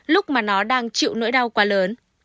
lúc mà nó đang chịu nỗi đau quá lớn